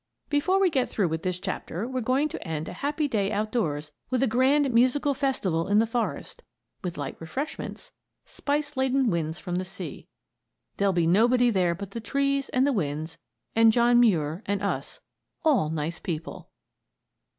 Before we get through with this chapter we're going to end a happy day outdoors with a grand musical festival in the forest, with light refreshments spice laden winds from the sea. There'll be nobody there but the trees and the winds and John Muir and us; all nice people.